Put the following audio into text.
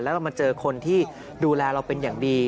แล้วเรามาเจอคนที่ดูแลเราเป็นอย่างดี